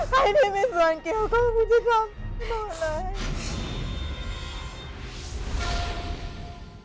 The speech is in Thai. ใครที่มีส่วนเกี่ยวกับกูจะทำหมดเลย